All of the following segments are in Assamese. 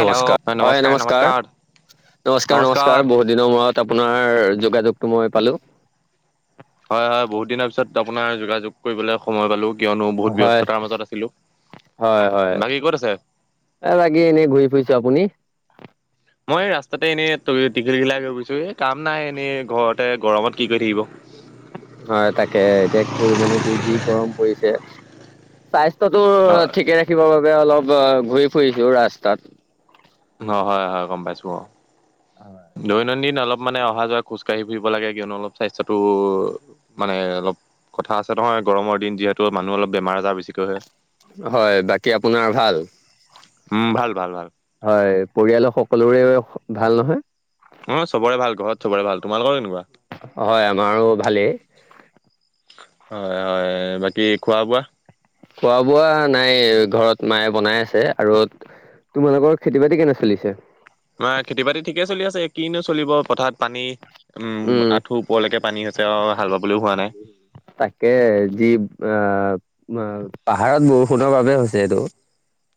নমস্কাৰ, হয় নমস্কাৰ নমস্কাৰ, নমস্কাৰ, বহুত- দিনৰ মূৰত আপোনাৰ যোগাযোগটো মই পালোঁ। হয়, হয়, বহুত দিনৰ পিছত আপোনাৰ যোগাযোগ কৰিবলৈ সময় পালো। কিয়নো বহুত হয় ব্যস্ততাৰ মাজত আছিলোঁ, হয় হয় বাকী ক'ত আছে। এ বাকি এনেই ঘূৰি ফুৰিছোঁ আপুনি? মই ৰাস্তাতে এনেই টিঘিল ঘিলাই ঘূৰি ফোৰিছোঁ। এ কাম নাই এনেই ঘৰতে গৰমত কি কৰি থাকিব। হয়, তাকে এতিয়া কৰিবনো কি যি গৰম পৰিছে। স্বাস্থ্যতো অ ঠিকে ৰাখিবৰ বাবে অলপ ঘূৰি ফুৰিছো ৰাস্তাত। অ', হয় 'হয় 'গম পাইছোঁ অ'। হয়। দৈনন্দিন অলপ মানে অহা যোৱা খোজ কাঢ়ি ফুৰিব লাগে, কিয়নো অলপ স্বাস্থ্যটো মানে অলপ কথা আছে নহয়। গৰমৰ দিন যিহেতু মানুহ অলপ বেমাৰ আজাৰ বেছিকৈ হয়। হয়। বাকী আপোনাৰ ভাল। উম্, ভাল, ভাল, ভাল। হয়, পৰিয়ালৰ সকলোৰে ভাল নহয়। অ', চবৰে ভাল, ঘৰত চবৰে ভাল, তোমালোকৰ কেনেকুৱা? হয়। আমাৰো ভালেই। হয়, হয়, বাকী খোৱা বোৱা। খোৱা বোৱা নাই ঘৰত মায়ে বনাই আছে আৰু তোমালোকৰ খেতি বাতি কেনে চলিছে? আমাৰ খেতি-বাতি ঠিকে চলি আছে। কিনো চলিব পথাৰত, পানী, উম আঁঠু ওপৰলৈকে পানী হৈছে আৰু হাল বাবলৈও হোৱা নাই। তাকে, যি অ', পাহাৰত বৰষুণৰ বাবে হৈছে এইটো।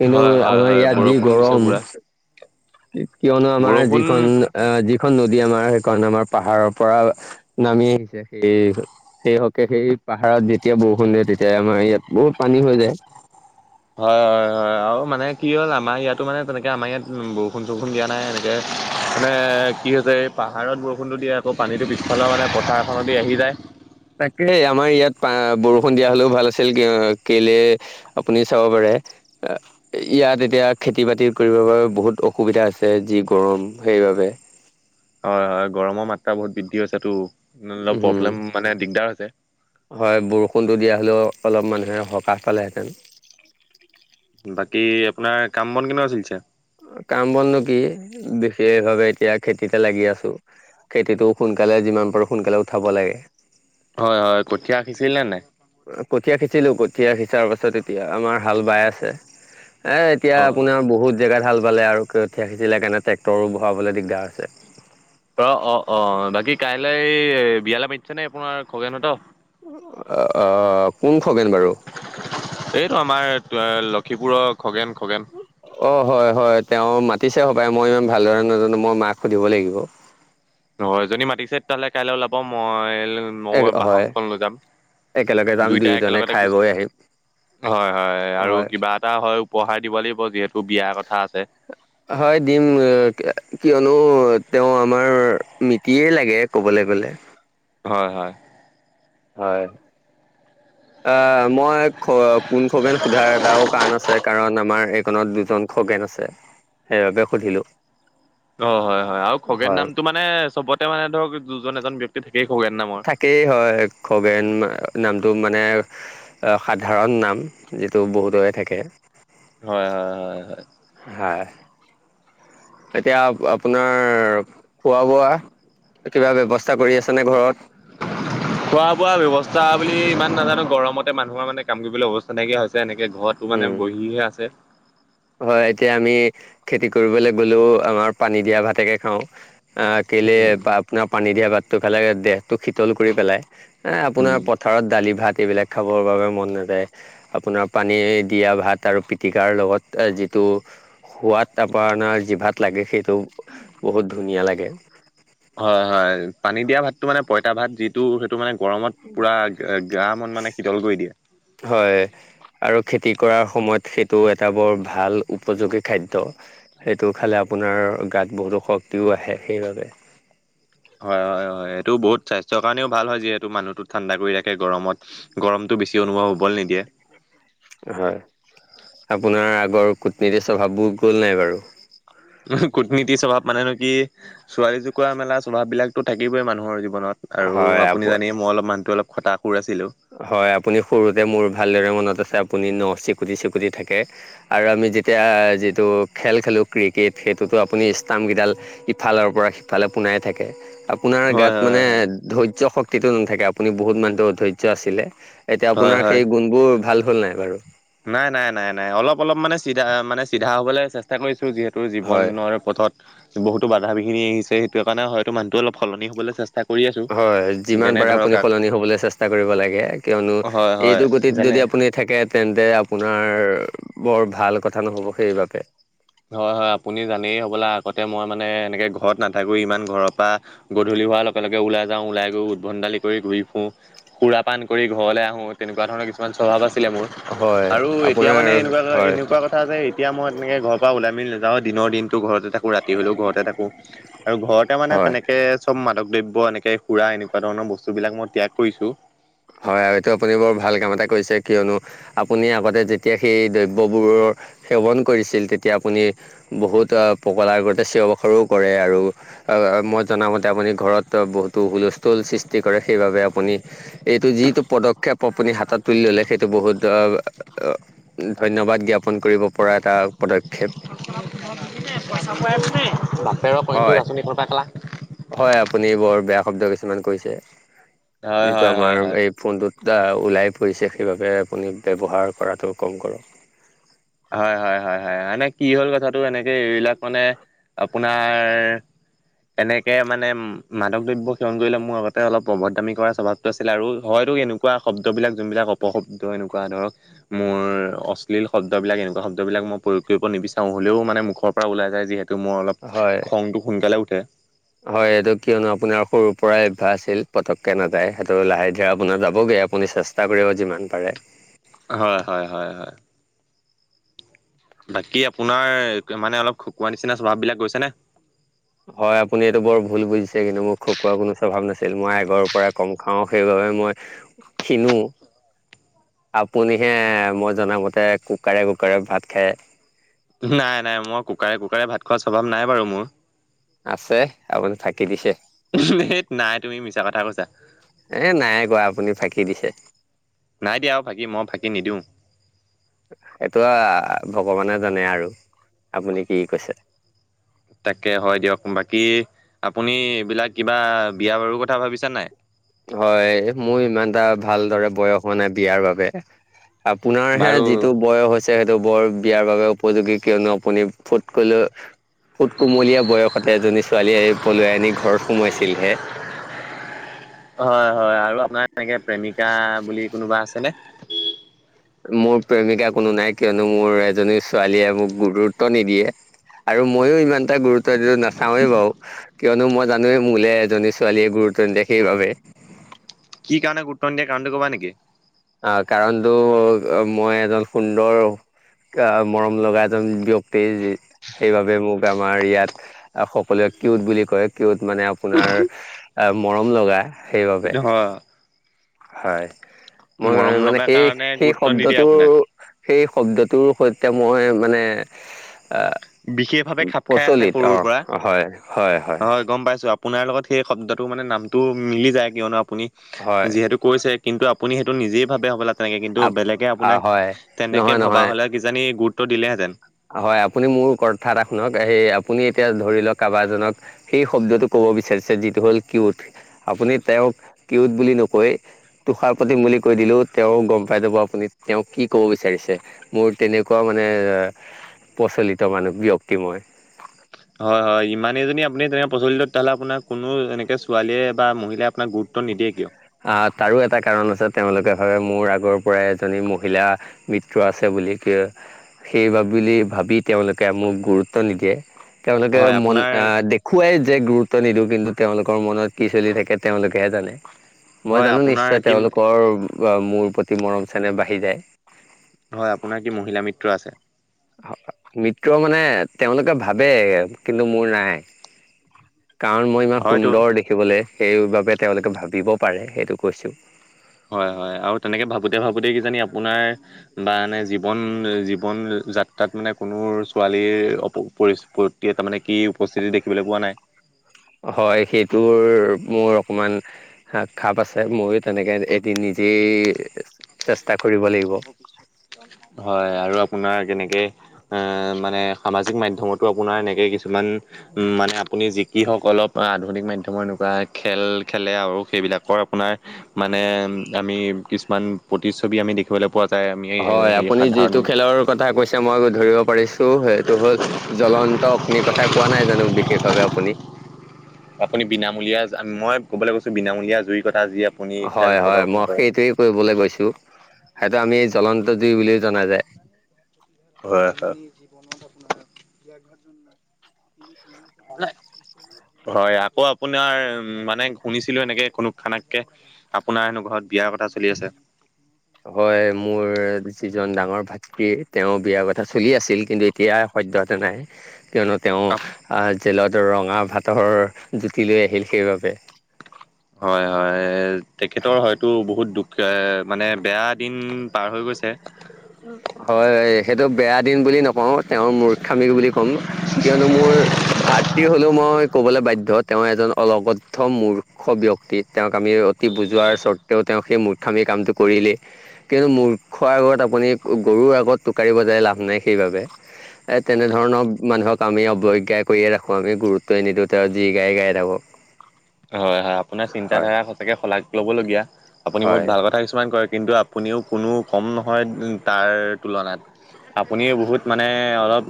কিন্তু হয় হয় আমাৰ হয় ইয়াত যি বৰষুণ দিছে গৰম। পুৰা কিয়নো আমাৰ বৰষুণ যিখন, আহ্ যিখন নদী, আমাৰ সেইখন আমাৰ পাহাৰৰ পৰা নামি আহিছে সেই সেই হকে সেই পাহাৰত যেতিয়া বৰষুণ দিয়ে, তেতিয়া আমাৰ ইয়াত বহুত পানী হৈ যায়। হয়, হয়, হয়, আৰু মানে কি হ'ল, আমাৰ ইয়াতো মানে তেনেকে আমাৰ ইয়াত বৰষুন চৰষুণ দিয়া নাই। এতিয়া মানে কি হৈছে, এই পাহাৰত বৰষুণটো দিয়ে আকৌ পানীটো পিছফালৰ মানে পথাৰখনদি আহি যায়। তাকেহে, আমাৰ ইয়াত বৰষুণ দিয়া হ'লেও ভাল আছিল কেলে আপুনি চাব পাৰে ইয়াত এতিয়া খেতি-বাতি কৰিব বাবে বহুত অসুবিধা হৈছে, যি গৰম সেইবাবে। হয়, হয়, গৰমৰ মাত্ৰা বহুত বৃদ্ধি হৈছে তো অলপ উম প্ৰব্লেম মানে দিগদাৰ হৈছে। হয়, বৰষুণটো দিয়া হ'লেও অলপ মানুহে সকাহ পালে হেঁতেন বাকী আপোনাৰ কাম বন কেনেকোৱা চলিছে। কাম বনো কি বিশেষভাৱে এতিয়া খেতিতে লাগি আছো। খেতিটো সোনকালে যিমান পাৰোঁ সোনকালে উঠাব লাগে। হয়, হয়, কঠীয়া সিঁচিলে নে নাই? কঠীয়া সিচিলো কঠীয়া সিচাৰ পাছত এতিয়া আমাৰ হাল বাই আছে। নাই এতিয়া অ আপোনাৰ বহুত জেগাত হাল বালে আৰু কঠিয়া সিচিলে হেকাৰনে ট্ৰেক্টৰো ভৰাবলৈ দিগদাৰ হৈছে। অ', অ', অ', বাকী কাইলে বিয়ালৈ মাতিছে নে আপোনাৰ খগেনহতৰ। কোন খগেন বাৰু। এইটো আমাৰ লখিপুৰৰ খগেন, খগেন। অ', হয়, হয়, তেওঁ মাতিছে হ'বাৰে মই ইমান ভালদৰে নাজানো মই মাক সুধিব লাগিব। হয় যদি মাতিছে তেতিয়াহ'লে কাইলৈ ওলাব মই ময় হয় বাহনখন লৈ যাম একেলগে যাম দুইটাাই দুয়োজনে একেলগতে খাই বৈ আহিম হয় হয় আৰু কিবা এটা হয় উপহাৰ দিব লাগিব যিহেতু বিয়াৰ কথা আছে হয় দিম কিয়নো তেওঁ আমাৰ মিতিয়ে লাগে কবলৈ গলে হয় হয়। হয়। অ', মই খ কোন খগেন সোধাৰ এটাও কাৰণ আছে কাৰণ আমাৰ এইকনত দুজন খগেন আছে সেইবাবে সুধিলো অ', হয় হয় আৰু খগেন হয়। নামটো মানে চবতে মানে ধৰক দুজন এজন ব্যক্তি থাকেই খগেন নামৰ একেই হয় খগেন নামটো মানে সাধাৰণ নাম যিটো বহুতৰে থাকে হয় হয় হয় হয়। হয় এতিয়া আপোনাৰ খোৱা বোৱা কিবা ব্যৱস্থা কৰি আছেনে ঘৰত [inaudible] খোৱা বোৱা ব্যৱস্থা বুলি ইমান নাজানো গৰমতে মানুহৰ মানে কাম কৰিবলৈ অৱস্থা নাইকিয়া হৈছে এনেকে ঘৰত তটো উম মানে বহিহে আছে হয় এতিয়া আমি খেতি কৰিবলৈ গলেও আমাৰ পানী দিয়া ভাতেকে খাওঁ আহ কেলে উম আপোনাৰ পানী দিয়া বাতটো ফালে দেহটো শীতল কৰি পেলাই এ উম আপোনাৰ পথাৰত দালি ভাত এইবিলাক খাবৰ বাবে মন নাযায় আপোনাৰ পানী দিয়া ভাত আৰু পিটিকাৰ লগত যিটো সোৱাদ আপোনাৰ জিভাত লাগে সেইটো বহুত ধুনীয়া লাগে হয় হয় পানী দিয়া ভাতটো মানে পইতা ভাত যিটো সেইটো মানে গৰমত পূৰা গ মত মানে শীতল কৰি দিয়ে। হয়। আৰু খেতি কৰাৰ সময়ত সেইটো এটা বৰ ভাল উপযোগী খাদ্য সেইটো খালে আপোনাৰ গাত বহুতো শক্তিও আহে সেইবাবে হয় হয় হয় এইেইটো বহুত স্বাস্থ্যৰ কাৰণেও ভাল হয় যিহেতু মানুহতো ঠাণ্ডা কৰি ৰাাকে গৰমত। গৰমতটো বেছি অনুভৱ হ'বলৈ নিদিয়ে হয় আপোনাৰ আগৰ কূটনীতিৰ স্বভাৱবোৰ গ'ল নাই বাৰু উম কুটনীতি স্বভাৱ মানে নে কি ছোৱালী জোকা মেলা স্বভাৱ বিলাকতো থাকিবই মানুহ হৰ জীৱনত আৰু হয় আপ আপুনি জানেইে মই অলপ মানহো অলপ খতটা সুৰ আছিলো। হয় আপুনি সৰুতে মোৰ ভালদৰে মনত আছে আপুনি ন চিকুটি চিকুটি থাকে আৰু আমি যেতিয়া যিটো খেল খেলোঁ ক্ৰিকেট সেইটোতো আপুনি ষ্টাম্পকেইডাল ইফালৰ পৰা সিফালে পুনাই থাকে আপোনাৰ হয় গাত হয় মানে হয় ধৈৰ্য্য শক্তিটো নাথাকে আপুনি বহুত মানুহৰ ধৈৰ্য আছিলে এতিয়া হয় আপোনাৰ হয় সেই গুণবোৰ ভাল হ'ল নাই বাৰু। নাই নাই নাই নাই অলপ অলপ মানে চিধা মানে চিধা হ'বলৈ চেষ্টা কৰিছো যিহেতু হয় জীৱনৰ পথত বহুতো বাধা বিহিনি আহিছে সেইটোকাৰণে হয়টো মানুহটো অলপ সলনি হবলৈ চেষ্টা কৰি আছোঁ। হয় যিমান যেনে পাৰে ধৰক আপুনি আ সলনি হ'বলৈ চেষ্টা কৰিব লাগে কিয়নো, হয় হয় এইটো গতিত যেনে যদি আপুনি থাকে তেন্তে আপোনাৰ বৰ ভাল কথা নহ'ব সেইবাবে। হয়, হয়। আপুনি জানেই হ'বলৈা আগতে মই মানে এনেকে ঘৰত নাথাকোঁ। ইমান ঘৰৰ পৰা গধূলি হোৱাৰ লগে ওলাই যাওঁ, ওলাই গৈ উদ্ভণ্ডালি কৰি ঘূৰি ফুৰোঁ খুৰা পান কৰি ঘৰলৈ আহো, তেনেকুৱা ধৰণৰ কিছুমান কিছুমান স্বভাৱ আছিলে মোৰ হয় আৰু এতিয়া আপোনাৰ মানে এনেকুৱা, হয় এনেকুৱা কথা কথা আছে এতিয়া মই তেনেকে ঘৰ পৰা ওলাই মেলি নাযাওঁ। দিনৰ দিনটো ঘৰত থাকো, ৰাতি হ'লেও ঘৰতে থাকো। আৰু ঘৰতে মানে হয় তেনে একে চব মাদক দ্ৰব্য এনেকে সুৰা এনেকুৱা ধৰণৰ বস্তুবিলাক মই ত্যাগ কৰিছোঁ। হয় আৰু এইটো আপুনি বৰ ভাল কাম এটা কৰিছে কিয়নো আপুনি আগতে যেতিয়া সেই দ্ৰব্যবোৰৰ সেৱন কৰিছিল, তেতিয়া আপুনি বহুত পকলাৰ আগতে চিঞ বখৰো কৰে আৰু মই জনামতে আপুনি ঘৰত বহুতো হুলস্থুল সৃষ্টি কৰে, সেইবাবে আপুনি এইটো যিটো পদক্ষেপ আপুনি হাতত তুলি ল'লে সেইটো বহুত ধন্যবাদ জ্ঞাপন কৰিব পৰা এটা পদক্ষেপ। [unintelligible] বাপেৰৰ [unintelligible] আচনিখনন হয় পৰা [unintelligible] হয় আপুনি বৰ বেয়া শব্দ কিছুমান কৈছে। হয় যিটো হয় হয় আমাৰ হয় এই ফোনটোত ওলাই পৰিছে সেইবাবে আপুনি ব্যৱহাৰ কৰাটো কম কৰক। হয়-হয়-হয়-হয় মানে কি হ'ল কথাটো এনেকে এইবিলাক মানে আপোনাৰ তেনেকে মানে মাদক দ্ৰব্য সেৱন কৰিলে মোৰ আগতে অলপ অভদ্ৰামি কৰাৰ স্বভাৱ আছিলে আৰু হয়তো এনেকুৱা শব্দবিলাক যোনবিলাক অপশব্দ এনেকুৱা ধৰক। মোৰ অশ্লীল শব্দ। শব্দবিলাক এনেকুৱা শব্দবিলাক মই প্ৰয়োগ কৰিব নিবিচাৰোঁ, হ'লেও মানে মুখৰ পৰা ওলাই যায় যিহেতু। টো মোৰ অলপ হয় খংটো সোনকালে উঠে। হয় এইটো কিয়নো আপোনাৰ সৰুৰ পৰাই অভ্যাস আছিল। পতকে নাযায় সেইটো লাহে ধীৰে আপোনাৰ যাবগৈ আপুনি চেষ্টা [unintelligible] যিমান পাৰে। হয়, হয়, হয়, হয়। বাকী আপোনাৰ মানে অলপ খকোৱা নিচিনা স্বভাৱ বিলাক গৈছে নে? হয় আপুনি এইটো বৰ ভুল বুজিছে কিন্তু মোক খকোৱা কোনো স্বভাৱ নাছিল। মই আগৰ পৰাই কম খাওঁ সেইবাবে মই ক্ষীণও। আপুনিহে মই জনামতে কুকাৰে-কুকাৰে ভাত খায়। নাই, নাই। মই কুকাৰে-কুকাৰে ভাত খোৱাৰ স্বভাৱ নাই বাৰু মোৰ। আছে, আপুনি ফাকি দিছে। ধেত নাই তুমি মিছা কথা কৈছা। এ নাই কোৱা আপুনি ফাঁকি দিছে। নাই দিয়া অহ ফাকি, মই ফাকি নিদিওঁ। এইটো আহ ভগৱানে জানে আৰু আপুনি কি কৈছে। তাকে হয় দিয়ক বাকী, আপুনি এইবিলাক কিবা বিয়া বাৰুৰ কথা ভাবিছেনে নাই? হয় মোৰ ইমান এটা ভালদৰে বয়স হোৱা নাই বিয়াৰ বাবে। আপোনাৰ হে বাৰু যিটো বয়স হৈছে। সেইটো বৰ বিয়াৰ বাবে উপযোগী কিয়নো আপুনি ফুট ক ফুট কুমলীয়া বয়সতে এজনী ছোৱালীয়ে পলাই আনি ঘৰত সোমোৱাইছিলহে। হয়, হয়। আৰু আপোনাৰ এনেকে প্ৰেমিকা বুলি কোনোবা আছেনে? মোৰ প্ৰেমিকা কোনো নাই কিয়নো, মোৰ এজনী ছোৱালীয়ে মোক গুৰুত্ব নিদিয়ে। আৰু মইয়ো ইমান এটা গুৰুত্ব নিদিওঁ, নাচাওঁৱেই বাৰু। কিয়নো মই জানোয়ে মোলে এজনী ছোৱালীয়ে গুৰুত্ব নিদিয়ে সেইবাবে। কি কাৰণে গুৰুত্ব নিদিয়ে কাৰণটো কবা নেকি? অহ কাৰণতো মই এজন সুন্দৰ মৰম লগা এজন ব্যক্তি সেইবাবে মোক আমাৰ ইয়াত সকলোৱে কিউট বুলি কয়, কিউত মানে আপোনাৰ আহ, মৰম লগা সেইবাবে। হয় হয়, মই মৰম মানে লগা কাৰণে সেই-সেই গুৰুত্ব নিদিয়ে শব্দটো আপোনাক। সেই শব্দটোৰ সৈতে মই মানে বিশেষভাৱে খাপ খাই আছে প্ৰচলিত সৰুৰ পৰা। অ' হয়, হয়, হয়। গম পাইছোঁ আপোনাৰ লগত সেই শব্দটো মানে নামটো মিলি যায় কিয়নো আপুনি হয় যিহেতু কৈছে কিন্তু আপুনি সেইটো নিজেই ভাবে হ'বলা তেনেকে কিন্তু আপ বেলেগে আহ আপোনাক হয় নহয় তেনেকে ভবা নহয় হ'লে কিজানি গুট দিলেহেঁতেন। হয়, আপুনি মোৰ কথা এটা শুনক এই আপুনি এতিয়া ধৰি লওক কাৰোবাৰ এজনক সেই শব্দটো ক'ব বিচাৰিছে যিটো হ'ল কিউত আপুনি তেওঁক কিউত বুলি নকৈ তুষাৰ পাতিম বুলি কৈ দিলেও তেওঁ গম পাই যাব আপুনি তেওঁক কি ক'ব বিচাৰিছে? মোৰ তেনেকুৱা মানে প্ৰচলিত মানে ব্যক্তি মই। হয়, হয় ইমানেই যদি আপুনি তেনে প্ৰচলিত তেতিয়াহ'লে আপোনাক কোনো এনেকে ছোৱালীয়ে বা মহিলাক আপোনাক গুৰুত্ব নিদিয়ে কিয়? আ, তাৰো এটা কাৰণ আছে তেওঁলোকে ভাবে মোৰ আগৰ পৰাই এজনী মহিলা মিত্ৰ আছে বুলি [unintelligible] সেই বুলি ভাবি তেওঁলোকে মোক গুৰুত্ব নিদিয়ে তেওঁলোকে হয় মন আপোনাৰ খোৱাই যে গুৰুত্ব নিদিওঁ কিন্তু তেওঁলোকৰ মনত কি চলি থাকে তেওঁলোকেহে জানে। মই হয় জানো আপোনাৰ নিশ্চয় কি তেওঁলোকৰ মোৰ প্ৰতি মৰম চেনেহ বাঢ়ি যায়। হয়, আপোনাৰ কি মহিলা মিত্ৰ আছে? মিত্ৰ মানে তেওঁলোকে ভাবে কিন্তু মোৰ নাই। কাৰণ মই ইমান হয়তো সুন্দৰ দেখিবলৈ সেইবাবে তেওঁলোকে ভাবিব পাৰে সেইটো কৈছোঁ। হয়, হয় আৰু তেনেকে ভাবোতে ভাবোতে কিজানি আপোনাৰ মানে জীৱন-জীৱন যাত্ৰাত মানে কোনো ছোৱালীৰ অ- পৰি দিয়ে, তাৰ মানে কি উপস্থিতি দেখিবলৈ পোৱা নাই। হয়, সেইটোৰ মোৰ অকণমান খাপ আছে, ময়ো তেনেকৈ এদিন নিজেই চেষ্টা কৰিব লাগিব। হয় আৰু আপোনাৰ কেনেকে আহ, মানে সামাজিক মাধ্যমতো আপোনাৰ এনেকে কিছুমান উ, মানে আপুনি সিসকলক আধুনিক মাধ্যমৰ এনেকুৱা খেল খেলে আৰু সেইবিলাকৰ আপোনাৰ মানে আমি কিছুমান প্ৰতিচ্ছবি আমি দেখিবলৈ পোৱা যায়, আমি হয় হেৰি আপুনি সাধাৰণ যিটো খেলৰ কথা কৈছে, মই ধৰিব পাৰিছোঁ সেইটো হ'ল জ্বলন্ত অগ্নিৰ কথা কোৱা নাই জানো, বিশেষভাৱে আপুনি? আপুনি বিনামূলীয়া মই ক'বলৈ গৈছোঁ, বিনামূলীয়া জুইৰ কথা যি আপুনি খেল হয়, হয় প্ৰদৰ্শন মই কৰে। সেইটোৱে কৰিবলৈ গৈছোঁ, সেইটো আমি জ্বলন্ত জুই বুলিও জনা যায়। হয়, হয়। হয়, আকৌ আপোনাৰ উ, মানে শুনিছিলোঁ এনেকে কোনো খানাতকে আপোনাৰ হেনো ঘৰত বিয়াৰ কথা চলি আছে। হয়, মোৰ যিজন ডাঙৰ ভা কি, তেওঁৰ বিয়া কথা চলি আছিল কিন্তু এতিয়া সদ্যহতে নাই। কিয়নো তেওঁ জেলত ৰঙা ভাতৰ জুতি লৈ আহিল সেইবাবে। হয়, হয় তেখেতৰ হয়তো বহুত দুখ মানে বেয়া দিন পাৰ হৈ গৈছে। হয় সেইটো বেয়া দিন বুলি নকওঁ। তেওঁৰ মূৰ্খামি বুলি ক'ম, কিয়নো মোৰ ভাতৃ হলেও মই ক'বলৈ বাধ্য তেওঁ এজন অলগদ্ধ মূৰ মূৰ্খ ব্যক্তি তেওঁক আমি অতি বুজোৱাৰ স্বত্বেও তেওঁক সেই মূৰ্খামি কামটো কৰিলেই। কিয়নো মুৰ্খৰ আগত আপুনি, গৰুৰ আগত টোকাৰি বজাই লাভ নাই সেইবাবে। এ তেনেধৰণৰ মানুহক আমি অৱজ্ঞা কৰিয়ে ৰাখো আমি গুৰুত্বই নিদিওঁ তেওঁ যি গাই গাই থাকক। হয়, হয় আপোনাৰ চিন্ত হয় ধাৰা সঁচাকে শলাগ লব লগীয়া আপুনি হয় বহুত ভাল কথা কিছুমান কয়। কিন্তু আপুনিও কোনো কম নহয় তাৰ তুলনাত। আপুনি বহুত মানে অলপ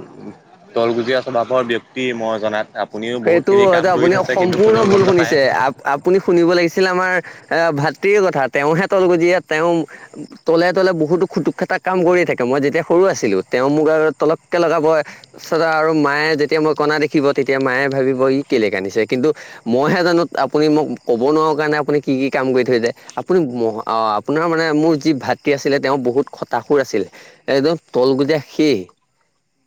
তলগুজীয়া স্বভাৱৰ ব্যক্তি মই জনাত। আপুনিও সেইটো বহুতখিনি কাম হয়তো কৰি আপুনি থৈছে কিন্তু সম্পূৰ্ণ কোনেও ভুল গম নাপায়। শুনিছে। আ আপুনি শুনিব লাগিছিল আমাৰ এ ভাতৃৰ কথা তেওঁহে তলজ তেওঁ তলে তলে বহুতো খুটুক খটা কাম কৰিয়ে থাকে মই যেতিয়া সৰু আছিলো তেওঁ মোক আৰু তলককে লগাব। আৰু মায়ে যেতিয়া মই কণা দেখিব তেতিয়া মায়ে ভাবিব ই কেলেকে কান্দিছে। কিন্তু মইহে জানো আপুনি মোক ক'ব নোৱাৰো কাৰণে আপুনি কি কি কাম কৰি থৈ য আপুনি অ' আপোনাৰ মানে মোৰ যি ভাতৃ আছিলে তেওঁ বহুত কতাসুৰ আছিল। একদম তল গুজীয়া শে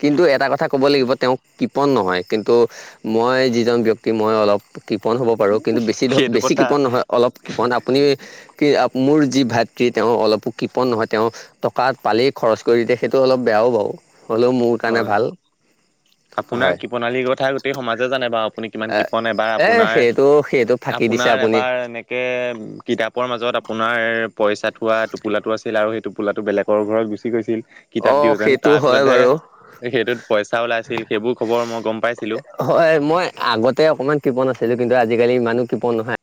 কিন্তু এটা কথা কথা ক'ব লাগিব তেওঁ কিপন নহয় কিন্তু মই যিজন ব্যক্তি মই অলপ কৃপন হ'ব পাৰোঁ কিন্তু বেছি ধ সেইটো বেছি ক কথা কিপন নহয় অলপ কিপন আপুনি কি মোৰ যি ভাতৃ তেওঁ অলপো কৃপন নহয় তেওঁ টকাত পালেই খৰচ কৰি দিয়ে সেইটো অলপ বেয়াও বাৰু। হ'লেও মোৰ কাৰণে ভাল হয়। প্ৰণালীৰ কথা ক গ সমাজে জানে বাৰু আপুনি কিমান এ কিপন এবাৰ এ আপোনাৰ সেইটো সেইটো ফাঁকি দিছে আপোনাৰ আপুনি এবাৰ এনে তে কিতাপৰ মাজত আপোনাৰ পইচা থোৱা টোপোলাটো আছিল আৰু সেই টোপোলাটো বেলেগ সৰু ঘৰত গুচি গৈছিল কিতাপ অ দিওঁ যেন সেইটো তাৰ হয় পিছতহে বাৰু সেইটোত পইচা ওলাইছিল সেইবোৰ খবৰ মই গম পাইছিলোঁ। হয় মই আগতে অকমান কপ নাছিলো কিন্তু আজিকালি ইমানুো কিপন নহয়।